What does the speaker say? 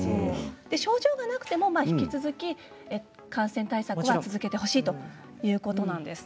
症状がなくても引き続き感染対策を続けてほしいということです。